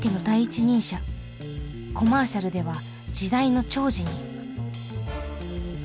コマーシャルでは時代の寵児に。